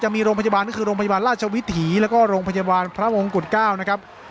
มีโรงพยาบาลก็คือโรงพยาบาลราชวิถีแล้วก็โรงพยาบาลพระมงกุฎ๙นะครับ